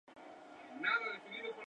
Fish se ubicó en la posición No.